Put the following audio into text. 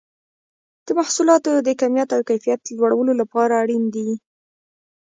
د محصولاتو د کمیت او کیفیت لوړولو لپاره اړین دي.